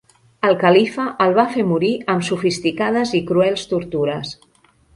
El califa el va fer morir amb sofisticades i cruels tortures.